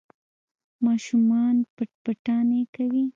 ماشومان پټ پټانې کوي.